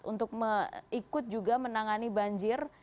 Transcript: untuk ikut juga menangani banjir